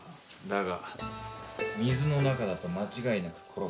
だが水の中だと間違いなく殺される。